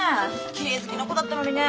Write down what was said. きれい好きな子だったのにね。